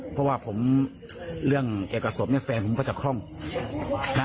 เพราะว่าผมเรื่องเกี่ยวกับศพเนี่ยแฟนผมก็จะคล่อง